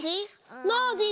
ノージー？